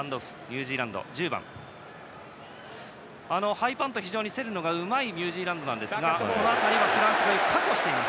ハイパントを競るのが非常にうまいニュージーランドですがこの辺りはフランスもよく確保している。